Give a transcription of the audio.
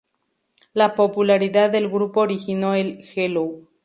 La popularidad del grupo originó el Hello!